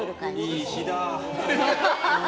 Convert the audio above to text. いい日だ。